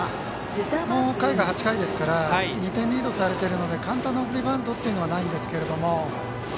回が８回ですから２点リードされているので簡単な送りバントというのはないんですけども。